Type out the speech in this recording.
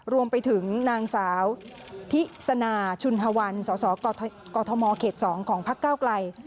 รวมไปถึงนางสาวพิษณาชุนธวรรณสสกม๒ของพักเก้าไกล